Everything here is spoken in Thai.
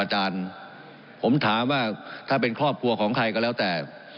ท่านว่าถ้าเป็นครอบครัวของใครก็แล้วแต่